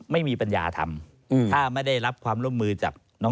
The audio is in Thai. ไม่มีปัญญาทำถ้าไม่ได้รับความร่วมมือจากน้อง